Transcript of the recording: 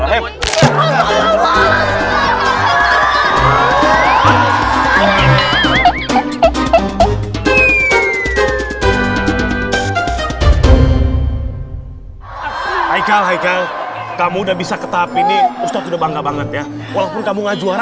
hai hai kau hai kau kamu udah bisa tetap ini ustadz udah bangga banget ya walaupun kamu ngejuara